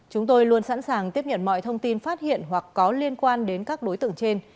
chúng tôi luôn sẵn sàng tiếp nhận mọi thông tin phát hiện hoặc có liên quan đến các đối tượng trên